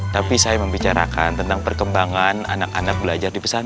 tapi saya membicarakan tentang perkembangan anak anak belajar di pesantren